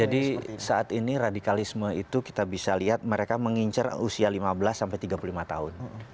jadi saat ini radikalisme itu kita bisa lihat mereka mengincar usia lima belas sampai tiga puluh lima tahun